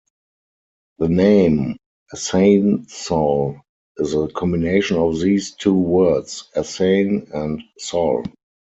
The name "Asansol" is a combination of these two words "Asan" and "Sol".